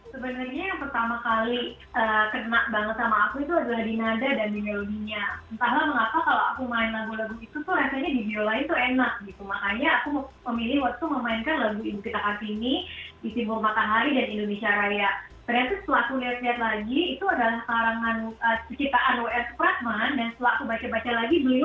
sebenarnya yang pertama kali kena banget sama aku itu adalah di nada dan di melodinya